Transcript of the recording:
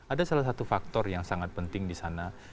ada salah satu faktor yang sangat penting di sana